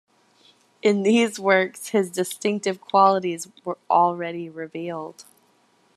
In these works his distinctive qualities were already revealed.